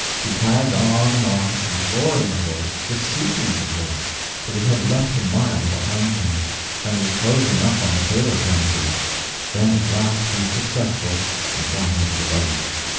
He tagged on and on, imploring the horse, beseeching the horse, till he had left a mile behind him, and was closing up on the Taylor premises; then at last he was successful, and got into the buggy.